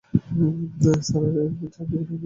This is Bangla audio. স্যার, এর জন্য আমাদের অভিজ্ঞ কাউকে চাই অভিজ্ঞ কেউ মানে?